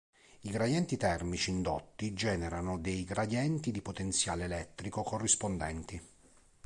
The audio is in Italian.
I gradienti termici indotti generano dei gradienti di potenziale elettrico corrispondenti.